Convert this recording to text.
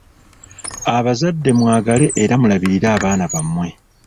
Abazadde mwagale era mulabirire abaana bammwe.